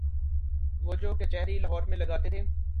وہ جو کچہری لاہور میں لگاتے تھے۔